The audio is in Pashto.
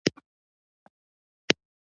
اوس چې د چرګ غوښه په سختۍ پیدا کېږي.